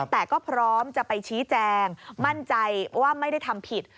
แต่ก็พร้อมจะไปชี้แจงมั่นใจว่าไม่ได้ทำผิด